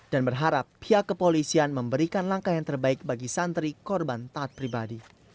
dan berharap pihak kepolisian memberikan langkah yang terbaik bagi santri korban taat pribadi